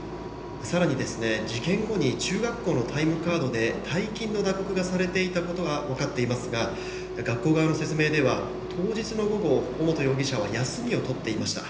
更に事件後に中学校のタイムカードで退勤の打刻がされていたことが分かっていますが学校側の説明では、当日の午後尾本容疑者は休みを取っていました。